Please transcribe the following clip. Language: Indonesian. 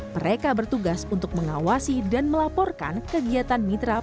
mereka bertugas untuk mengawasi dan melaporkan kegiatan mitra